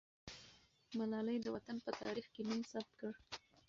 ملالۍ د وطن په تاریخ کې نوم ثبت کړ.